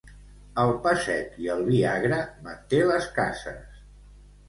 El pa sec i el vi agre manté les cases.